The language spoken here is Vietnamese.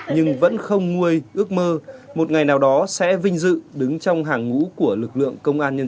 nhưng vẫn không nguôi ước mơ một ngày nào đó sẽ vinh dự đứng trong hàng ngũ của lực lượng công an nhân dân